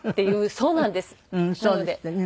そうですってね。